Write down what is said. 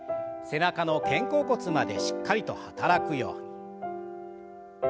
背中の肩甲骨までしっかりと働くように。